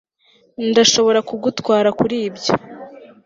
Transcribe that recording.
Ndashobora kugutwara kuri ibyo